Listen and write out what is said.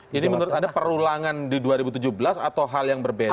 jadi menurut anda perulangan di dua ribu tujuh belas atau hal yang berbeda